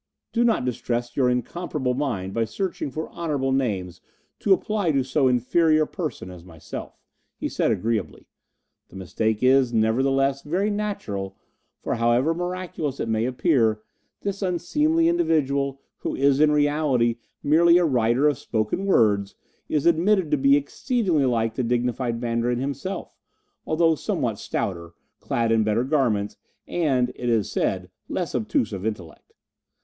"Do not distress your incomparable mind by searching for honourable names to apply to so inferior a person as myself," he said agreeably. "The mistake is, nevertheless, very natural; for, however miraculous it may appear, this unseemly individual, who is in reality merely a writer of spoken words, is admitted to be exceedingly like the dignified Mandarin himself, though somewhat stouter, clad in better garments, and, it is said, less obtuse of intellect.